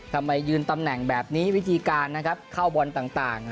ทำไมยืนตำแหน่งแบบนี้วิธีการนะครับเข้าบอลต่าง